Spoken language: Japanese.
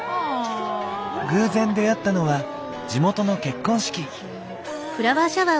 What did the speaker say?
偶然出合ったのは地元の結婚式。